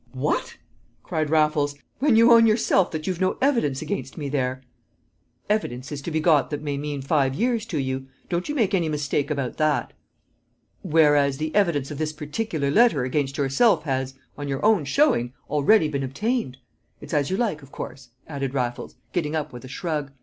"What!" cried Raffles, "when you own yourself that you've no evidence against me there?" "Evidence is to be got that may mean five years to you; don't you make any mistake about that." "Whereas the evidence of this particular letter against yourself has, on your own showing, already been obtained! It's as you like, of course," added Raffles, getting up with a shrug.